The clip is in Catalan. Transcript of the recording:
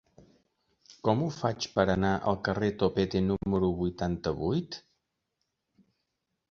Com ho faig per anar al carrer de Topete número vuitanta-vuit?